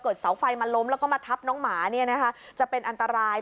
เกิดเสาไฟมาล้มแล้วก็มาทับน้องหมาเนี้ยนะคะจะเป็นอันตราย